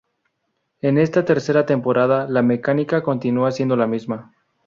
En esta tercera temporada la mecánica continúa siendo la misma.